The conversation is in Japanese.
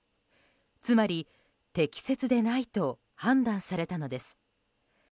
つまり、適切でないと判断されたのです。